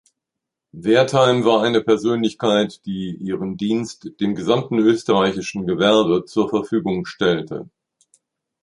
Wertheim war eine Persönlichkeit, die ihren Dienst dem gesamten österreichischen Gewerbe zur Verfügung stellte.